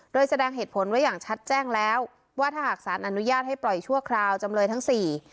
โดยแสดงเหตุผลไว้อย่างชัดแจ้งแล้วว่าถ้าหากสารอนุญาตให้ปล่อยชั่วคราวจำเลยทั้งสี่